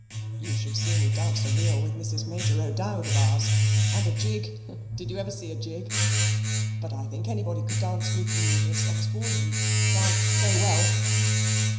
"You should see me dance a reel with Mrs. Major O'Dowd of ours; and a jig did you ever see a jig? But I think anybody could dance with you, Miss Osborne, who dance so well."